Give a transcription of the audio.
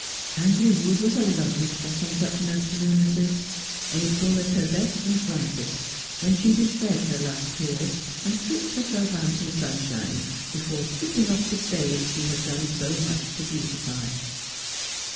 Tangley Wood was a lovely spot on such an afternoon as this — April at her best and brightest, when she has shed her last tears, and tricked herself out in sunshine, before tripping off the stage she has done so much to beautify.